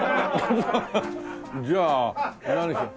じゃあ何にしよう。